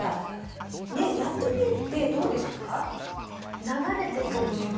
やってみるってどうでしたか？